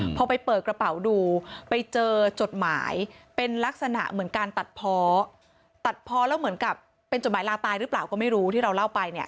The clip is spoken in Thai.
พอไปเปิดกระเป๋าดูไปเจอจดหมายเป็นลักษณะเหมือนการตัดเพาะตัดพอแล้วเหมือนกับเป็นจดหมายลาตายหรือเปล่าก็ไม่รู้ที่เราเล่าไปเนี่ย